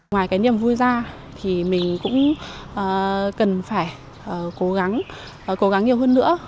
ngoài cái niềm vui ra thì mình cũng cần phải cố gắng cố gắng nhiều hơn nữa